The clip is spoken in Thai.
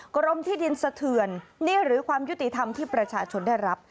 กรมที่ดินสะเทือนนี่หรือความยุติธรรมที่ประชาชนได้รับ